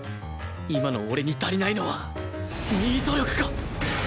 今の俺に足りないのはミート力か！